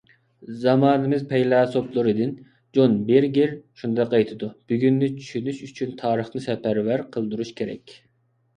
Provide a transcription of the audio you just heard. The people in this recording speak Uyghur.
زامانىمىز پەيلاسوپلىرىدىن جون بېرگېر شۇنداق ئېيتىدۇ: «بۈگۈننى چۈشىنىش ئۈچۈن تارىخنى سەپەرۋەر قىلدۇرۇش كېرەك».